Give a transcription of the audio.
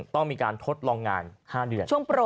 ต้องมีการทดลองงาน๕เดือน